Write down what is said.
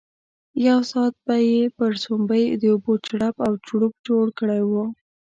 یو ساعت به یې پر سومبۍ د اوبو چړپ او چړوپ جوړ کړی وو.